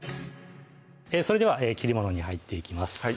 それでは切りものに入っていきます